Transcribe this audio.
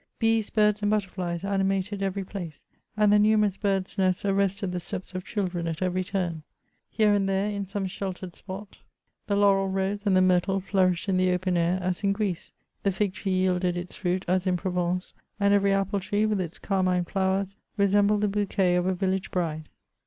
Bees, birds and butterflies animated every place ; and the numerous birds' nests arrested the steps of children at every ^ turn. Here and there, in some sheltered spot, the 80 MEMOIRS OF laurel rose and the mjrtle flourished in the ope& air as in Greece ; the fig tree jdelded its fruit as in Provence, and every apple tree, with its carmine flowers, resemhled the bouquet of a village bride.